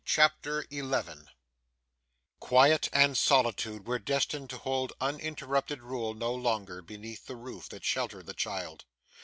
CHAPTER 11 Quiet and solitude were destined to hold uninterrupted rule no longer, beneath the roof that sheltered the child.